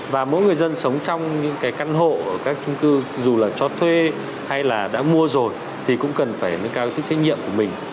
và mỗi người dân sống trong những cái căn hộ các trung cư dù là cho thuê hay là đã mua rồi thì cũng cần phải nâng cao ý thức trách nhiệm của mình